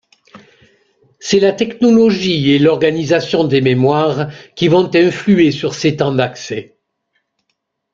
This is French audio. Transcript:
C'est la technologie et l'organisation des mémoires qui vont influer sur ses temps d'accès.